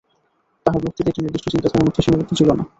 তাঁহার বক্তৃতা একটি নির্দিষ্ট চিন্তাধারার মধ্যে সীমাবদ্ধ ছিল না।